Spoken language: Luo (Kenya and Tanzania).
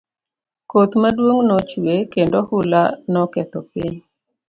Koth maduong' nochwe kendo ohula noketho piny.